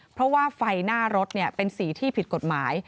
เพราะว่าไฟหน้ารถเป็นสีที่ผิดกฎหมาย